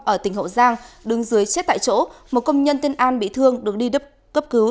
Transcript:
ở tỉnh hậu giang đứng dưới chết tại chỗ một công nhân tên an bị thương được đi cấp cứu